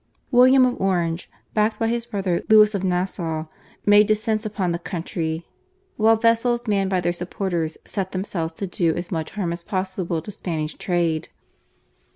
William of Orange, backed by his brother, Louis of Nassau, made descents upon the country, while vessels manned by their supporters set themselves to do as much harm as possible to Spanish trade.